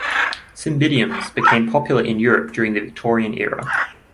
"Cymbidium"s became popular in Europe during the Victorian era.